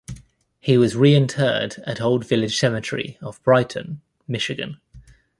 He was reinterred at Old Village Cemetery of Brighton, Michigan.